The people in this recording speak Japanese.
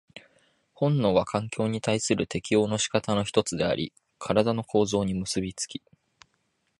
本能は環境に対する適応の仕方の一つであり、身体の構造に結び付き、